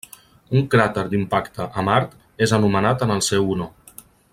Un cràter d'impacte a Mart és anomenat en el seu honor.